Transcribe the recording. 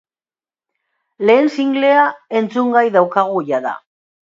Lehen singlea entzungai daukagu jada!